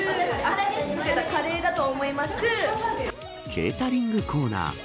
ケータリングコーナー。